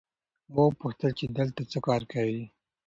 ما وپوښتل چې دلته څه کار کوې؟